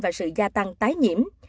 và sự gia tăng tái nhiễm